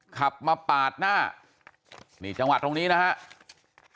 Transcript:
ขับมาปาดหน้านี่จังหวะตรงนี้นะครับ